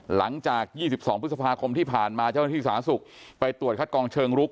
หลังจาก๒๒พฤษภาคมที่ผ่านมาเจ้าหน้าที่สาธารณสุขไปตรวจคัดกองเชิงลุก